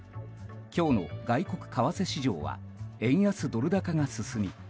今日の外国為替市場は円安ドル高が進み